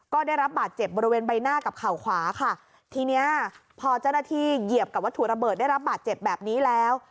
ก็ได้รับบาดเจ็บบริเวณใบหน้ากับเข่าขวาค่ะทีเนี้ยพอเจ้าหน้าที่เหยียบกับวัตถุระเบิดได้รับบาดเจ็บแบบนี้แล้ว